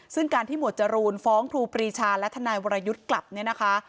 ซึ่งการที่หมวดจรูนฟ้องครูปรีชาและทนายวรยุทธ์กลับเนี่ยนะคะ